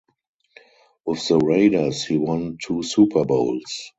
With the Raiders he won two Super Bowls.